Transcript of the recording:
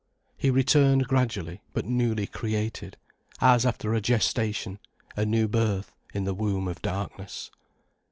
He returned gradually, but newly created, as after a gestation, a new birth, in the womb of darkness.